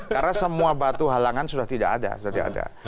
karena semua batu halangan sudah tidak ada